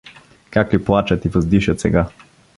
… Как ли плачат и въздишат сега!